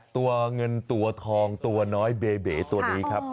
ตัวเงินตัวทองตัวน้อยเบเบ๋ตัวนี้ครับ